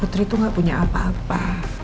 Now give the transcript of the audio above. putri itu gak punya apa apa